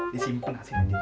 disimpen hasilnya disimpen